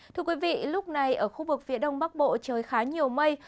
thưa quý vị lúc này ở khu vực phía đông bắc bộ trời khá nhiều mây